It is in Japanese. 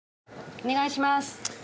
お願いします。